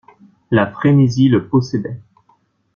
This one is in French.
La frénésie le possédait.